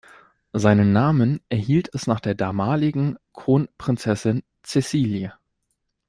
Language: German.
Seinen Namen erhielt es nach der damaligen Kronprinzessin Cecilie.